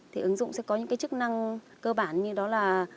thì ứng dụng sẽ có những cái chức năng cơ bản như đó là